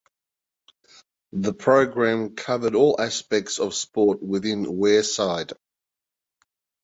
The programme covered all aspects of sport within Wearside.